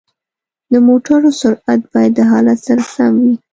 د موټرو سرعت باید د حالت سره سم وي.